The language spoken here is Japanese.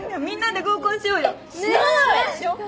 みんなで合コンしようよ。